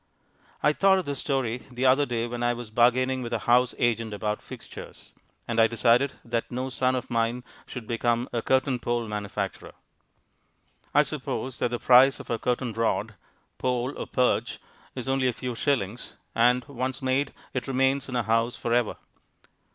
I thought of this story the other day when I was bargaining with a house agent about "fixtures," and I decided that no son of mine should become a curtain pole manufacturer. I suppose that the price of a curtain rod (pole or perch) is only a few shillings, and, once made, it remains in a house for ever.